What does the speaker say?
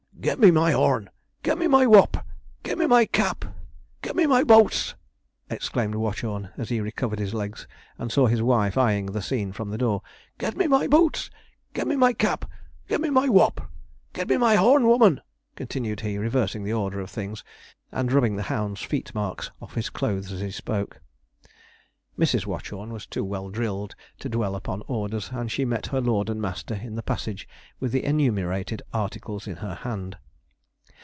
'Get me my horn! get me my whop! get me my cap! get me my bouts!' exclaimed Watchorn, as he recovered his legs, and saw his wife eyeing the scene from the door. 'Get me my bouts! get me my cap! get me my whop! get me my horn, woman!' continued he, reversing the order of things, and rubbing the hounds' feetmarks off his clothes as he spoke. Mrs. Watchorn was too well drilled to dwell upon orders, and she met her lord and master in the passage with the enumerated articles in her hand.